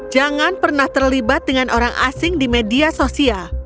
jangan pernah terlibat dengan orang asing di media sosial